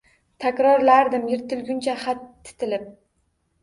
Takrorlardim yirtilguncha xat titilib.